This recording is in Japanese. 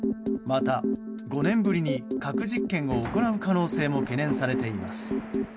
また、５年ぶりに核実験を行う可能性も懸念されています。